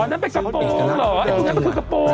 นั่นมันคือกระโปร